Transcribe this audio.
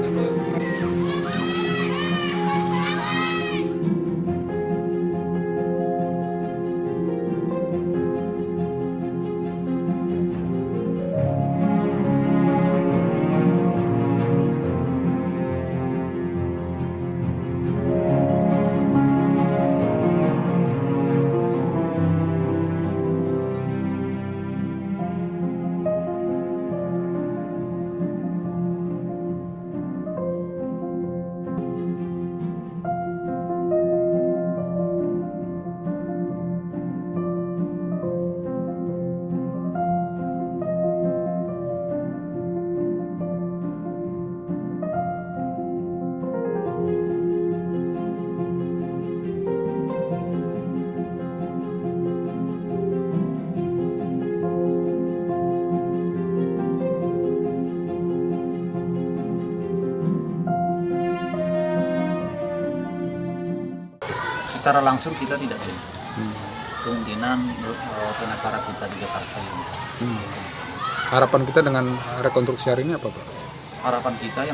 itu acara terakhir ya